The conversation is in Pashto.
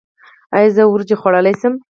ایا زه وریجې خوړلی شم؟